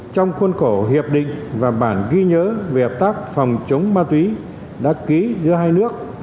trong khuôn khổ hiệp định và bản ghi nhớ về hợp tác phòng chống ma túy đã ký giữa hai nước